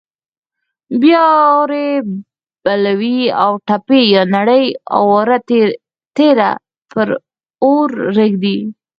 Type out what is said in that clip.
بیا اور بلوي او تبۍ یا نرۍ اواره تیږه پر اور ږدي.